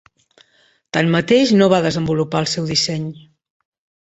Tanmateix no va desenvolupar el seu disseny.